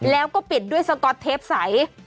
แล้วก็ปิดด้วยสก๊อตเทปใส